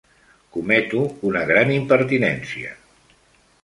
Cometo una gran impertinència.